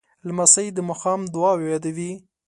لمسی د ماښام دعاوې یادوي.